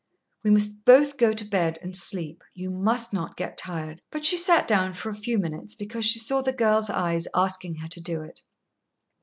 "We must both go to bed and sleep. You must not get tired." But she sat down for a few minutes, because she saw the girl's eyes asking her to do it.